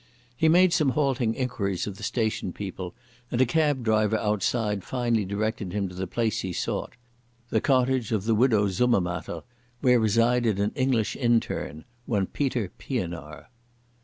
He made some halting inquiries of the station people, and a cab driver outside finally directed him to the place he sought—the cottage of the Widow Summermatter, where resided an English interné, one Peter Pienaar.